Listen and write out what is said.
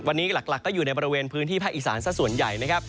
วันนี้หลักก็อยู่ในบริเวณพื้นที่ภาคอีสานสักส่วนใหญ่นะครับ